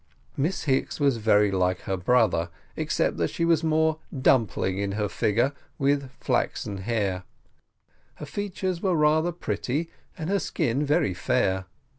Miss Hicks was very like her brother, except that she was more dumpling in her figure, with flaxen hair; her features were rather pretty, and her skin very fair.